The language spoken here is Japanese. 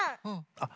あっ！